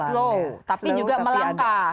slow tapi juga melangkah